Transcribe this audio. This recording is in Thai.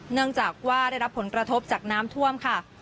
เนื่องจากว่าได้รับผลกระทบจากน้ำท่วมค่ะ